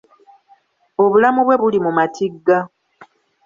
Obulamu bwe buli mu matigga.